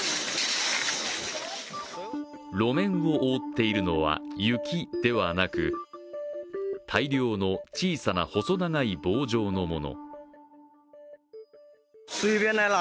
路面を覆っているのは、雪ではなく、大量の小さな細長い棒状のもの。